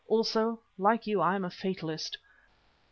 Also, like you I am a fatalist.